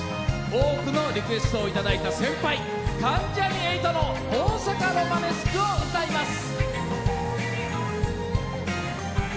多くのリクエストをいただいた先輩・関ジャニ∞の「大阪ロマネスク」を歌います。